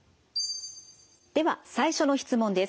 では最初の質問です。